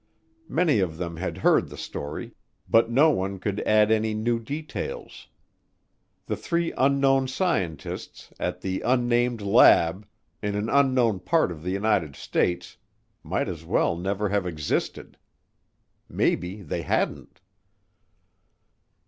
Many of them had heard the story, but no one could add any new details. The three unknown scientists, at the unnamed lab, in an unknown part of the United States, might as well never have existed. Maybe they hadn't.